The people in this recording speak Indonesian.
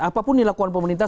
apapun dilakukan pemerintah